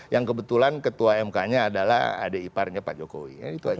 yang kebetulan ketua mk nya adalah adik iparnya pak jokowi